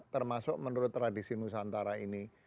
termasuk menurut tradisi nusantara ini